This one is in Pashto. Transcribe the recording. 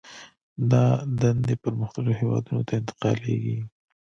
دا دندې پرمختللو هېوادونو ته انتقالېږي